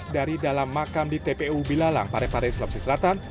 dari dalam makam di tpu bilalang parepare sulawesi selatan